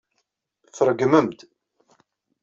Tṛeggmem-d.